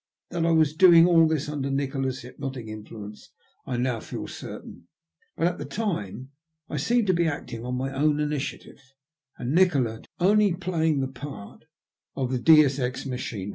That I was doing all this under Nikola's hypnotic influence I now feel certain ; but at the time I seemed to be acting on my own initiative, and Nikola to be only playing the part of the deu$ ex machina.